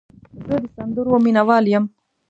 زه د سندرو مینه وال یم.